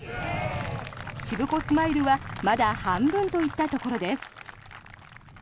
しぶこスマイルはまだ半分といったところです。